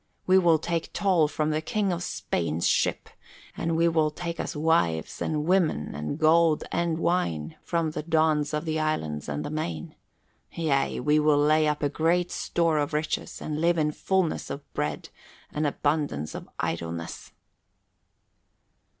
We will take toll from the King of Spain's ships; we will take us wives and women and gold and wine from the dons of the islands and the main. Yea, we will lay up a great store of riches and live in fullness of bread and abundance of idleness."